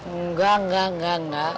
enggak enggak enggak